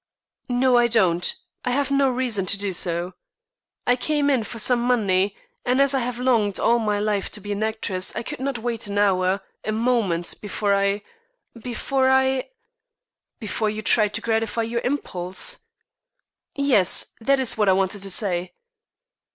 "No, I don't. I have no reason to do so. I came in for some money, and as I have longed all my life to be an actress I could not wait an hour, a moment, before I before I " "Before you tried to gratify your impulse." "Yes, that is what I wanted to say."